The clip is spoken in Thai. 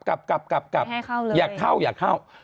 ไม่ให้เข้าเลยอยากเข้า